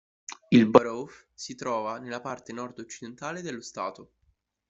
Il borough si trova nella parte nord-occidentale dello stato.